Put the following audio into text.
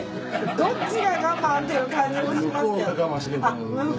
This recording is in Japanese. どっちが我慢？っていう感じもしますけれど。